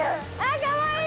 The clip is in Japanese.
かわいい！